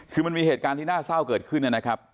คือมันมีเหตุการณ์ที่น่าเศร้าเกิดขึ้นนะครับ